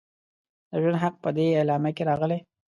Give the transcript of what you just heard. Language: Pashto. د ژوند حق په دې اعلامیه کې راغلی.